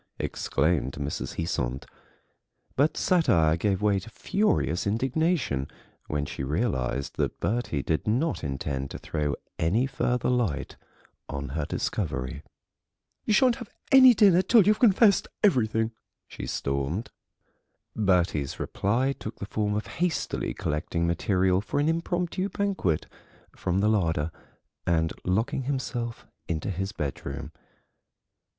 exclaimed Mrs. Heasant. But satire gave way to furious indignation when she realised that Bertie did not intend to throw any further light on her discovery. "You shan't have any dinner till you've confessed everything," she stormed. Bertie's reply took the form of hastily collecting material for an impromptu banquet from the larder and locking himself into his bedroom.